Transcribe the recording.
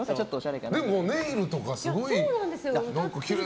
でも、ネイルとかすごいきれい。